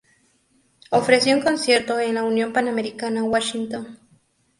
Ofreció un concierto en la Unión Panamericana, Washington.